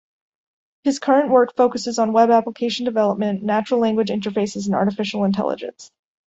His current work focuses on web application development, natural language interfaces and artificial intelligence.